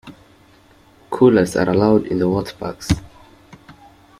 Coolers are allowed in the water parks.